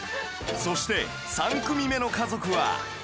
そして３組目の家族は